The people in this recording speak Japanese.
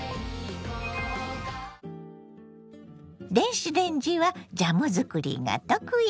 電子レンジはジャム作りが得意。